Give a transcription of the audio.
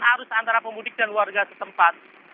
arus antara pemudik dan warga setempat